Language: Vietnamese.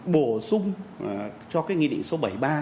bổ sung cho cái nghị định số bảy mươi ba